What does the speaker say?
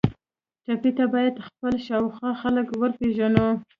ټپي ته باید خپل شاوخوا خلک وروپیژنو.